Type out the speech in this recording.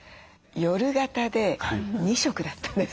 夜型で２食だったんです。